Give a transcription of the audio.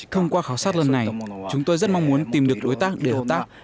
thông qua khảo sát lần này chúng tôi rất mong muốn tìm được đối tác để hợp tác